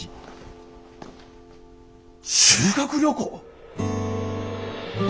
修学旅行！？